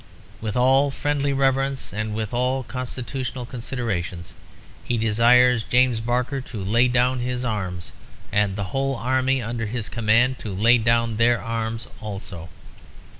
With all friendly reverence, and with all constitutional consideration, he desires James Barker to lay down his arms, and the whole army under his command to lay down their arms also."